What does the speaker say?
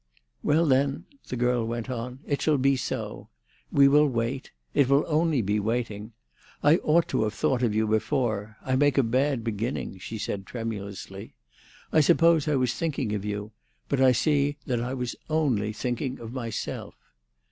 "Well, then," the girl went on, "it shall be so. We will wait. It will only be waiting. I ought to have thought of you before; I make a bad beginning," she said tremulously. "I supposed I was thinking of you; but I see that I was only thinking of myself."